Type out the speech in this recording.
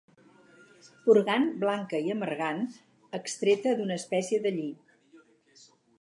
Purgant blanca i amargant, extreta d'una espècie de lli.